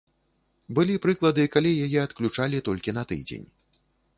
Былі прыклады, калі яе адключалі толькі на тыдзень.